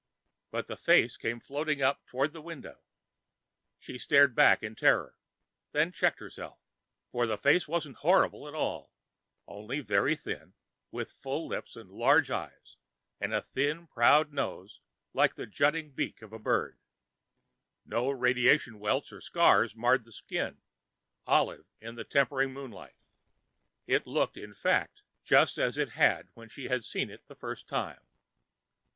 But the face came floating up toward the window. She started back in terror, then checked herself. For the face wasn't horrible at all, only very thin, with full lips and large eyes and a thin proud nose like the jutting beak of a bird. And no radiation welts or scars marred the skin, olive in the tempered moonlight. It looked, in fact, just as it had when she had seen it the first time.